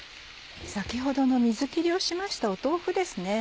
先ほどの水切りをしました豆腐です。